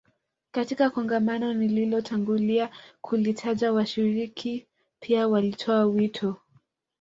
Katika kongamano nililotangulia kulitaja washiriki pia walitoa wito